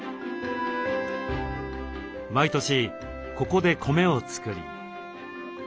毎年ここで米を作り。